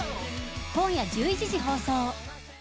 今夜１１時放送。